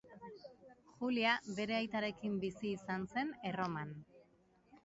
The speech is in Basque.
Julia bere aitarekin bizi izan zen Erroman.